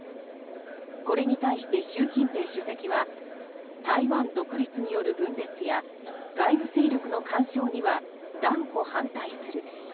これに対して習近平主席は台湾独立による分裂や外部勢力の干渉には断固反対する。